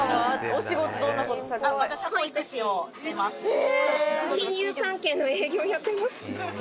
え！